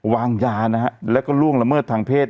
วางยานะฮะแล้วก็ล่วงละเมิดทางเพศ